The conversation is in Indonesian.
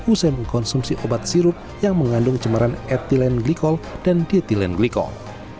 usai mengkonsumsi obat sirup yang mengandung cemaran etilen glikol dan dietilen glikol